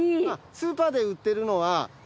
スーパーで売ってるのは。